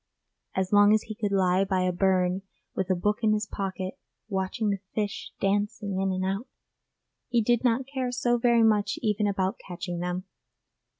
As long as he could lie by a burn with a book in his pocket, watching the fish dancing in and out, he did not care so very much even about catching them.